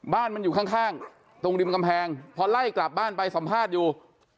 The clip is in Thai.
บ้านมันอยู่ข้างตรงริมกำแพงพอไล่กลับบ้านไปสัมภาษณ์อยู่